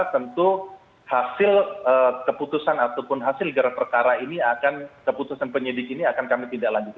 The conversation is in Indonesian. tentu hasil keputusan ataupun hasil gerak perkara ini akan keputusan penyidik ini akan kami tindak lanjuti